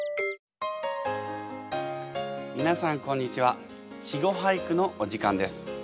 みなさんこんにちは「稚語俳句」のお時間です。